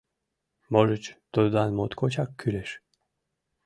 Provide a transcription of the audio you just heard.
Можыч, тудлан моткочак кӱлеш.